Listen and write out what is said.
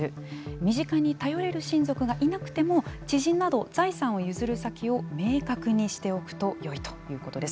身近に頼れる親族がいなくても知人など財産を譲る先を明確にしておくとよいということです。